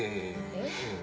えっ？